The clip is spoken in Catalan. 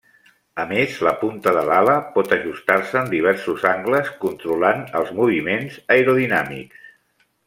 A més, la punta de l'ala pot ajustar-se en diversos angles, controlant els moviments aerodinàmics.